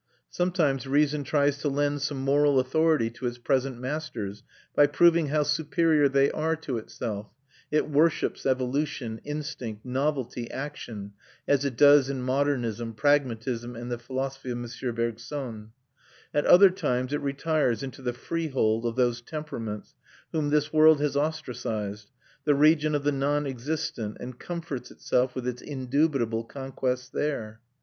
Sometimes reason tries to lend some moral authority to its present masters, by proving how superior they are to itself; it worships evolution, instinct, novelty, action, as it does in modernism, pragmatism, and the philosophy of M. Bergson. At other times it retires into the freehold of those temperaments whom this world has ostracised, the region of the non existent, and comforts itself with its indubitable conquests there.